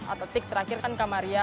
atau tik terakhir kan kamaria